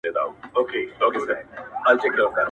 چي خپه راڅخه نه سې په پوښتنه!!